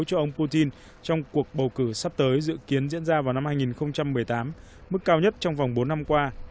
cho ông putin trong cuộc bầu cử sắp tới dự kiến diễn ra vào năm hai nghìn một mươi tám